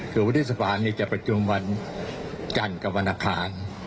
คือวุฒิสภาจะประชุมวันจันทร์กับวันอังคาร